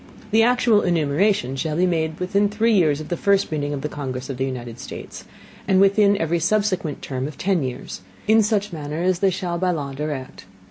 The actual Enumeration shall be made within three Years after the first Meeting of the Congress of the United States, and within every subsequent Term of ten Years, in such Manner as they shall by law Direct.